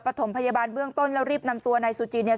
ถมพยาบาลเบื้องต้นแล้วรีบนำตัวนายซูจินเนี่ย